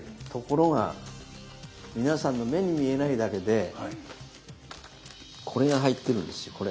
ところが皆さんの目に見えないだけでこれが入っているんですよ。